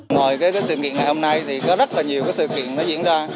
ngoài cái sự kiện ngày hôm nay thì có rất là nhiều sự kiện nó diễn ra